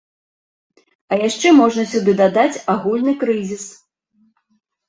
А яшчэ можна сюды дадаць агульны крызіс.